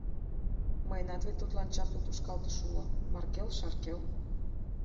Мыйынат вет тудлан чапле тушкалтыш уло: Маркел-шаркел.